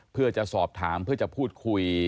เพื่อจะสอบถามเพื่อจะพูดคุย